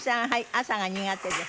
朝が苦手です。